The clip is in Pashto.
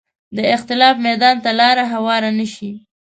د اختلاف میدان ته لاره هواره نه شي